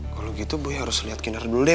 kalo gitu boy harus liat kinar dulu deh